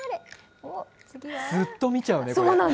ずっと見ちゃうね、これ。